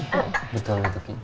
kedutaan lagi kiki